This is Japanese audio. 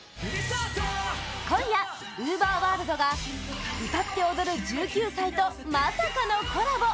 今夜、ＵＶＥＲｗｏｒｌｄが歌って踊る１９歳とまさかのコラボ！